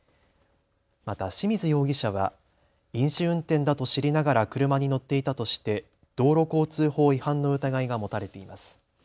また清水容疑者は飲酒運転だと知りながら車に乗っていたとして道路交通法違反の疑いが持たれています。